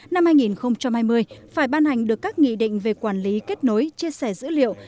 năm hai nghìn hai mươi phải ban hành được các nghị định về quản lý kết nối chia sẻ dữ liệu